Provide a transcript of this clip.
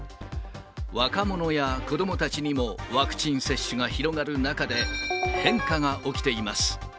若者や子どもたちにもワクチン接種が広がる中で、変化が起きています。